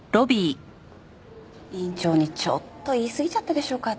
院長にちょっと言いすぎちゃったでしょうか私。